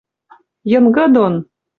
Йынгы дон!..